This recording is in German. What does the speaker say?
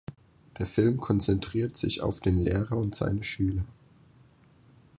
Der Film konzentriert sich auf den Lehrer und seine Schüler.